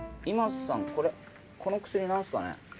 今さんこれこの薬何すかね？